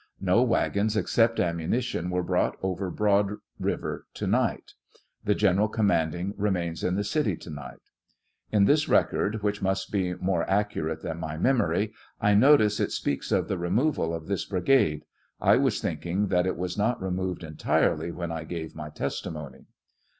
No wagons, except ammunition, were brought over Broad river to night. The General commanding re mains in the city to night. In this record, which must be more accurate than my memory, I notice it speaks of the removal of this brigade; I was thinking that it was not removed entirely when I gave my testimony.